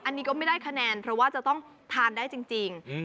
อันนี้ก็ไม่ได้คะแนนเพราะว่าจะต้องทานได้จริง